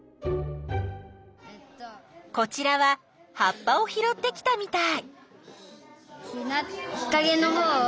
こちらは葉っぱをひろってきたみたい。